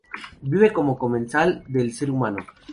Vive como comensal del ser humano.